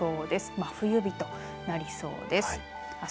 真冬日となりそうです。